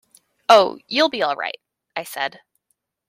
"Oh, you'll be all right," I said.